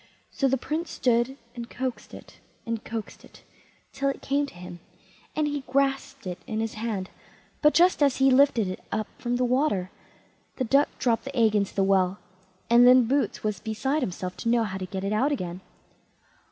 So the Prince stood and coaxed it and coaxed it, till it came to him, and he grasped it in his hand; but just as he lifted it up from the water the duck dropped the egg into the well, and then Boots was beside himself to know how to get it out again.